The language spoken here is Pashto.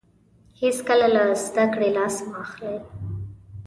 هیڅکله له زده کړې لاس مه اخلئ.